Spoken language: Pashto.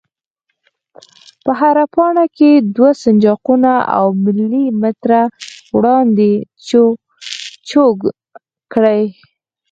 په هره پاڼه کې دوه سنجاقونه او ملي متره وړاندې چوګ کړئ.